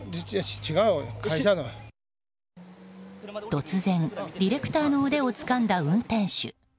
突然、ディレクターの腕をつかんだ運転手。